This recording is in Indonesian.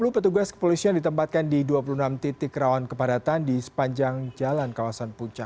satu ratus dua puluh petugas kepolisian ditempatkan di dua puluh enam titik rawan kepadatan di sepanjang jalan kawasan puncak